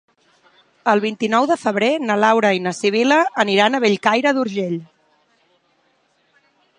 El vint-i-nou de febrer na Laura i na Sibil·la aniran a Bellcaire d'Urgell.